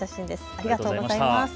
ありがとうございます。